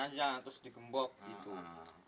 aja terus digembok gitu